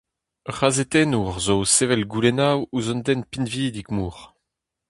Ur c'hazetenner zo o sevel goulennoù ouzh un den pinvidik-mor.